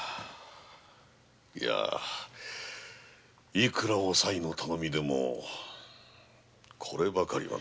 いくらおカミの頼みでもこればかりはな。